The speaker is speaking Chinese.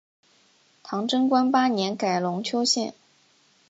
唐贞观八年改龙丘县。